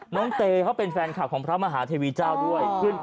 เตเขาเป็นแฟนคลับของพระมหาเทวีเจ้าด้วย